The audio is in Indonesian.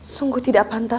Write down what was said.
sungguh tidak pantas